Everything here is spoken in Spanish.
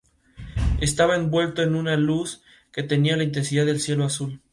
Estaba envuelto en una luz que tenía la intensidad del cielo azul.